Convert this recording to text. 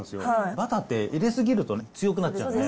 バターって入れ過ぎるとね、強くなっちゃうんで。